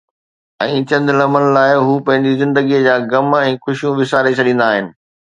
۽ چند لمحن لاءِ هو پنهنجي زندگيءَ جا غم ۽ خوشيون وساري ڇڏيندا آهن.